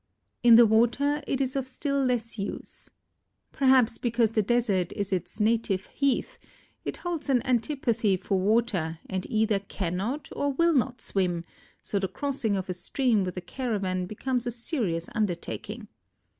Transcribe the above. In the water it is of still less use. Perhaps because the desert is its "native heath," it holds an antipathy for water and either cannot or will not swim, so the crossing of a stream with a caravan becomes a serious undertaking.